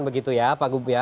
begitu ya pak gebenu ya